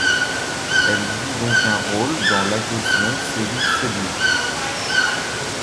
Elles jouent donc un rôle dans l'adhésion cellules-cellules.